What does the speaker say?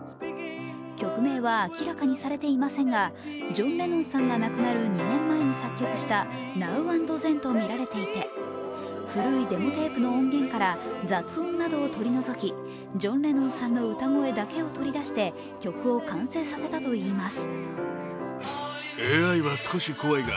曲名は明らかにされていませんがジョン・レノンさんが亡くなる２年前に作曲した「ナウ・アンド・ゼン」とみられていて古いデモテープの音源から、雑音などを取り除き、ジョン・レノンさんの歌声だけを取り出して曲を完成させたといいます。